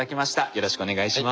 よろしくお願いします。